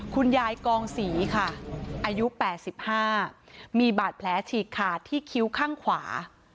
กองศรีค่ะอายุ๘๕มีบาดแผลฉีกขาดที่คิ้วข้างขวา